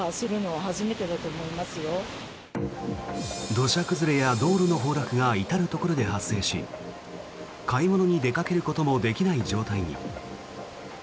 土砂崩れや道路の崩落が至るところで発生し買い物に出かけることもできない状態に。